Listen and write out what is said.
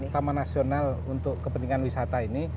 taman nasional untuk kepentingan wisata ini